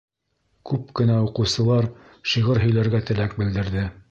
Күп кенә уҡыусылар шиғыр һөйләргә теләк белдерҙе.